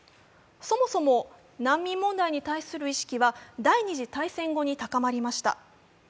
そもそも難民問題に対する意識は第二次大戦後に高まりました。